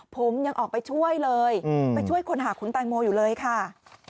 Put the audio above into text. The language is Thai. ผมยังออกไปช่วยเลยไปช่วยคนหาคุณแตงโมอยู่เลยค่ะ